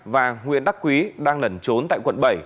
và nguyễn đắc quý đang lẩn trốn tại quận bảy